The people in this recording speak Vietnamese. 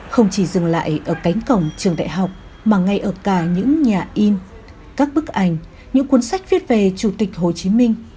không chỉ dừng lại ở cánh cổng trường đại học mà ngay ở cả những nhà in các bức ảnh những cuốn sách viết về chủ tịch hồ chí minh